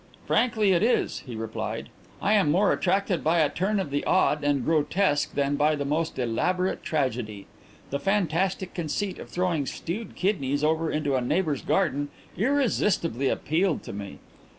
"Frankly, it is," he replied. "I am more attracted by a turn of the odd and grotesque than by the most elaborate tragedy. The fantastic conceit of throwing stewed kidneys over into a neighbour's garden irresistibly appealed to me.